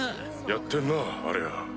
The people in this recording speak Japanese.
やってんなありゃ。